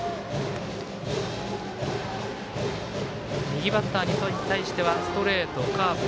右バッターの伊藤に対してはストレート、カーブ